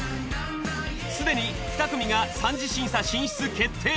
すでに二組が三次審査進出決定。